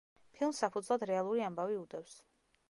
ფილმს საფუძვლად რეალური ამბავი უდევს.